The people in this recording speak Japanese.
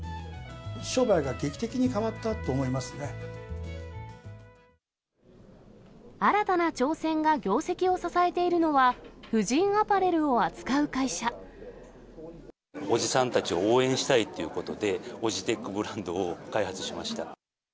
商売が劇的に変わったと思い新たな挑戦が業績を支えているのは、おじさんたちを応援したいということで、おじテックブランドを開発しました。